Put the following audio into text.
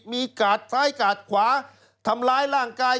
มีกาดซ้ายกาดขวาทำร้ายร่างกาย